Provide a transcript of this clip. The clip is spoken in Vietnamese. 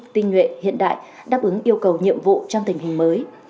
tinh nguyện hiện đại đáp ứng yêu cầu nhiệm vụ trong tình hình mới